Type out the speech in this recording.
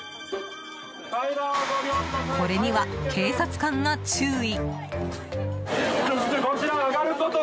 これには警察官が注意。